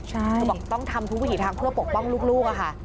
เธอบอกต้องทำทุกวิถีทางเพื่อปกป้องลูกค่ะ